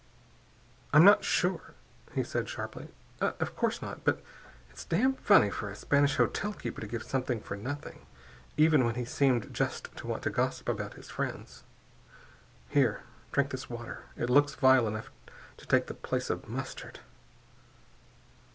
"I'm not sure," he said sharply. "Of course not. But it's damned funny for a Spanish hotel keeper to give something for nothing, even when he seemed just to want to gossip about his friends. Here. Drink this water. It looks vile enough to take the place of mustard...."